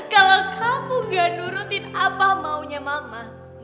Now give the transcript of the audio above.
kalau kamu gak nurutin apa maunya mama